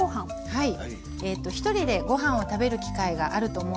はい。